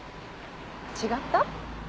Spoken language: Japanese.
違った？